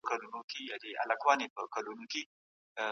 ځان پېژندنه قهر کموي.